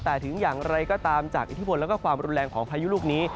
แต่ถึงอย่างไรก็ตามจากอิทธิพลและความรุนแรงของพายุลูกนี้